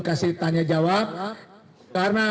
kasih tanya jawab karena